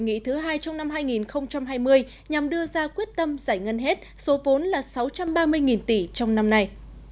nghị thứ hai trong năm hai nghìn hai mươi nhằm đưa ra quyết tâm giải ngân hết số vốn là sáu trăm ba mươi tỷ trong năm nay